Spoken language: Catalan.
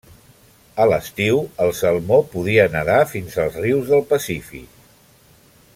A l'estiu el salmó podia nedar fins als rius del Pacífic.